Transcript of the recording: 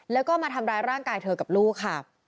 แล้วก็มาทำร้ายร่างกายเธอกับลูกค่ะ